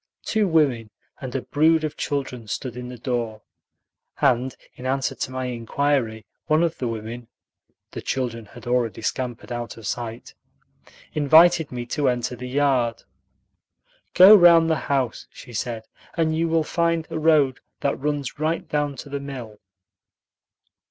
Two women and a brood of children stood in the door, and in answer to my inquiry one of the women (the children had already scampered out of sight) invited me to enter the yard. "Go round the house," she said, "and you will find a road that runs right down to the mill."